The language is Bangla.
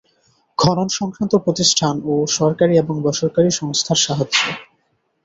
খনন সংক্রান্ত প্রতিষ্ঠান ও সরকারি এবং বেসরকারি সংস্থার সাহায্য